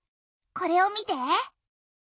これを見て。